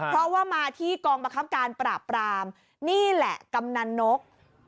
เพราะว่ามาที่กองบังคับการปราบปรามนี่แหละกำนันนก